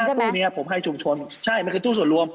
ตู้นี้ผมให้ชุมชนใช่มันคือตู้ส่วนรวม